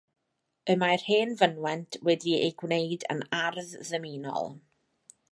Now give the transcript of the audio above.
Y mae'r hen fynwent wedi ei gwneud yn ardd ddymunol.